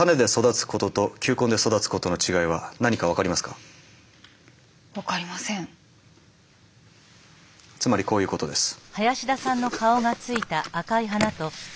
つまりこういうことです。